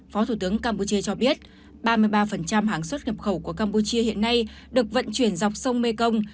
phó thủ tướng campuchia cho biết ba mươi ba hàng xuất nhập khẩu của campuchia hiện nay được vận chuyển dọc sông mekong